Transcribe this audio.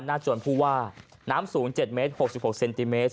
จวนผู้ว่าน้ำสูง๗เมตร๖๖เซนติเมตร